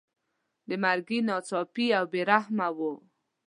د مرګي ناڅاپي او بې رحمه وو.